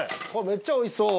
めっちゃおいしそう。